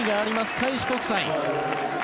開志国際。